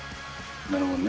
なるほどね。